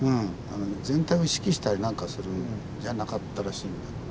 全体を指揮したりなんかするんじゃなかったらしいんだよね。